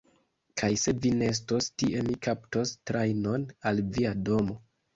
Kaj se vi ne estos tie mi kaptos trajnon al via domo!